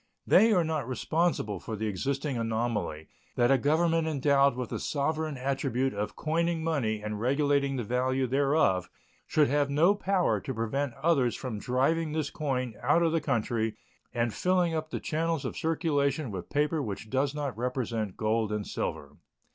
They are not responsible for the existing anomaly that a Government endowed with the sovereign attribute of coining money and regulating the value thereof should have no power to prevent others from driving this coin out of the country and filling up the channels of circulation with paper which does not represent gold and silver.